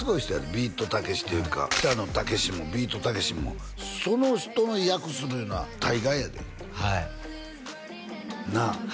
ビートたけしっていうか北野武もビートたけしもその人の役するいうのは大概やではいなあ